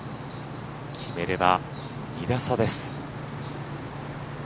決めれば２打差です。